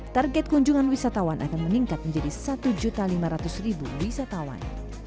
target kunjungan wisatawan akan meningkat menjadi satu lima ratus wisatawan